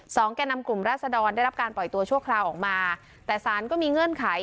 แก่นำกลุ่มราศดรได้รับการปล่อยตัวชั่วคราวออกมาแต่สารก็มีเงื่อนไข